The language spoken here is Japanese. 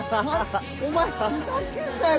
お前ふざけんなよ！